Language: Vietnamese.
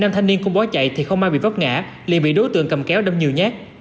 năm thanh niên không bỏ chạy thì không ai bị vấp ngã liền bị đối tượng cầm kéo đâm nhiều nhát